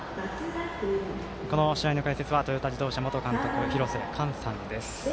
この試合の解説はトヨタ自動車元監督の廣瀬寛さんです。